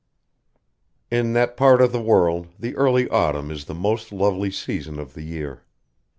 XII In that part of the world the early autumn is the most lovely season of the year.